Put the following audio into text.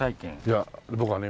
いや僕はね